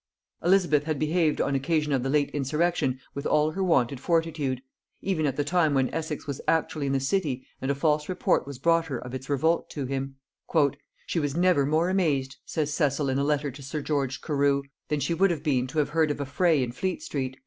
Elizabeth had behaved on occasion of the late insurrection with all her wonted fortitude; even at the time when Essex was actually in the city and a false report was brought her of its revolt to him, "she was never more amazed," says Cecil in a letter to sir George Carew, "than she would have been to have heard of a fray in Fleet street."